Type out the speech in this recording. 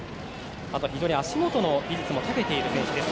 あとは非常に足元の技術も長けている選手です。